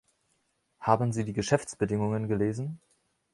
Haben Sie die Geschäftsbedingungen gelesen?